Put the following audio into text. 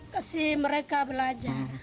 kasih mereka belajar